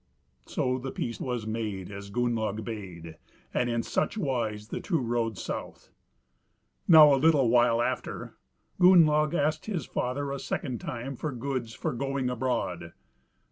So the peace was made as Gunnlaug bade, and in such wise the two rode south. Now, a little while after, Gunnlaug asked his father a second time for goods for going abroad.